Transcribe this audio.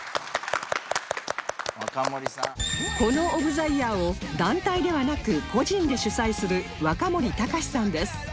このオブ・ザ・イヤーを団体ではなく個人で主催する和歌森隆史さんです